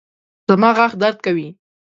زما غاښ درد کوي